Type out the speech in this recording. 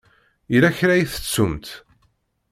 Yella kra i tettumt?